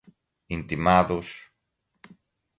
intimados